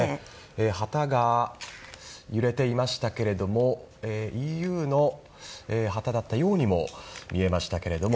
旗が揺れていましたけどもＥＵの旗だったようにも見えましたが。